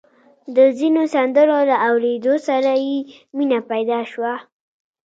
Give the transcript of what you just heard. د ځينو سندرو له اورېدو سره يې مينه پيدا شوه.